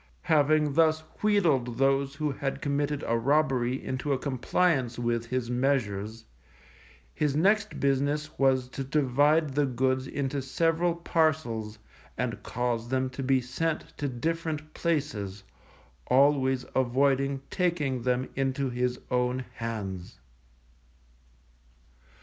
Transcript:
Having thus wheedled those who had committed a robbery into a compliance with his measures, his next business was to divide the goods into several parcels, and cause them to be sent to different places, always avoiding taking them into his own hands.